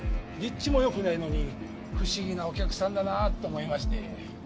立地も良くないのに不思議なお客さんだなと思いまして。